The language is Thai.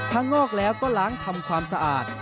งอกแล้วก็ล้างทำความสะอาด